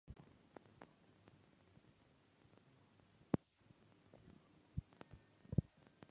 It relieves his mind and he desires to find his son.